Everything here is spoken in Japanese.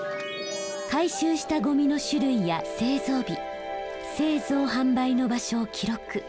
回収したゴミの種類や製造日製造・販売の場所を記録。